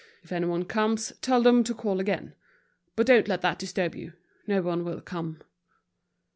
If anyone comes tell them to call again. But don't let that disturb you, no one will come."